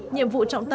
nhiệm vụ trọng tâm